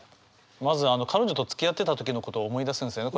まず彼女とつきあってた時のことを思い出すんですよね